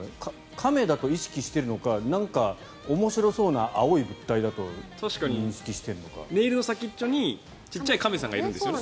亀だと意識しているのか何か面白そうな青い物体だとネイルの先っちょに小さい亀さんがいるんですよね。